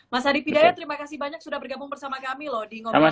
mas hadi fidayat terima kasih banyak sudah bergabung bersama kami loh di ngomongin